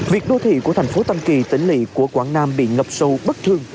việc đô thị của thành phố tam kỳ tỉnh lị của quảng nam bị ngập sâu bất thường